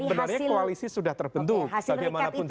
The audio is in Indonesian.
sebenarnya koalisi sudah terbentuk